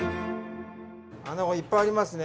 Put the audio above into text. アナゴいっぱいありますね。